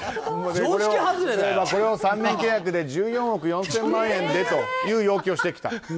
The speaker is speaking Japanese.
３年総額で１４億４０００万円でという要求をしてきた。